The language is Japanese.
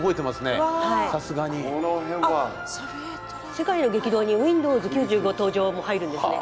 世界の激動にＷｉｎｄｏｗｓ９５登場も入るんですね。